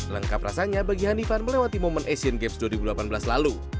lengkap rasanya bagi hanifan melewati momen asian games dua ribu delapan belas lalu